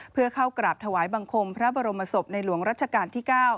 เพื่อเข้ากราบถวายบังคมพระบรมศพในหลวงรัชกาลที่๙